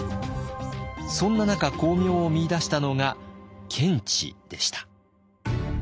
そんな中光明を見いだしたのが検地でした。